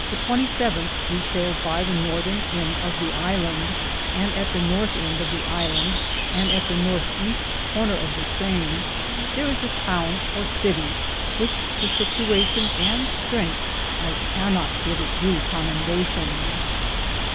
The 27 we sayled by the northe ende of the Ilande, and at the northe ende of the Ilande, and at the northe easte corner of the same, thar is a towne or Cittie, the which for Cittiwation and strengthe I cannot not give it due commendations.